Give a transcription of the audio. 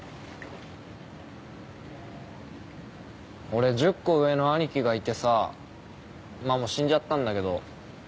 俺１０個上の兄貴がいてさまっもう死んじゃったんだけど。